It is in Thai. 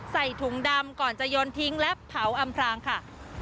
ใส่ถุงดำก่อนจะโยนทิ้งและเผาอำพรางค่ะ